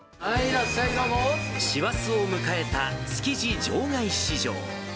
師走を迎えた築地場外市場。